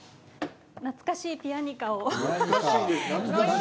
懐かしいピアニカをははは。